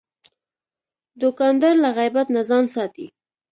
دوکاندار له غیبت نه ځان ساتي.